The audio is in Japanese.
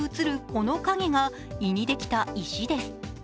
この影が胃にできた石です。